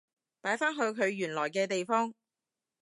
擺返去佢原來嘅地方